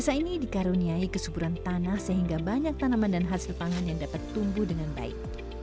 desa ini dikaruniai kesuburan tanah sehingga banyak tanaman dan hasil pangan yang dapat tumbuh dengan baik